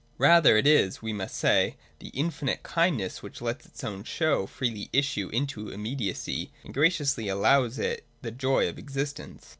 Rather it is, we may say, the infinite kindness which lets its own show freely issue into immediacy, and graciously allows it the joy of existence.